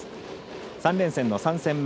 ３連戦の３戦目。